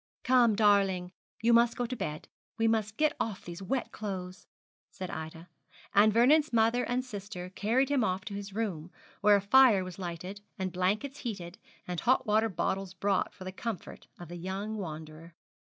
'Come, darling, you must go to bed; we must get off these wet clothes,' said Ida, and Vernon's mother and sister carried him off to his room, where a fire was lighted, and blankets heated, and hot water bottles brought for the comfort of the young wanderer.